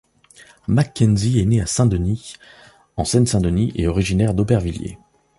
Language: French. Makenzy est né à Saint-Denis, en Seine-Saint-Denis, et originaire d'Aubervilliers.